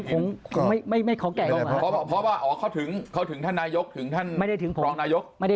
โอ้เนี่ยคุณผู้ชมมอบกันตรงนี้เลยอ่ะน่ะ